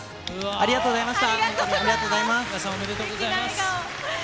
ありがとうございます。